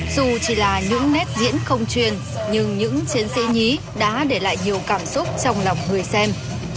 dù chỉ là những nét diễn không truyền nhưng những chiến sĩ nhí đã để lại nhiều cảm xúc trong lòng người xem